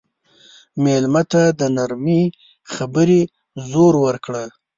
مېلمه ته د نرمې خبرې زور ورکړه.